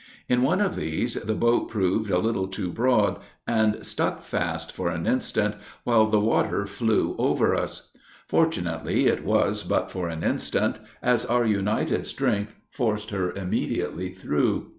In one of these, the boat proved a little too broad, and stuck fast for an instant, while the water flew over us; fortunately, it was but for an instant, as our united strength forced her immediately through.